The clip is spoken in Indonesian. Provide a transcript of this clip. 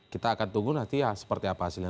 kita akan tunggu nanti seperti apa hasilnya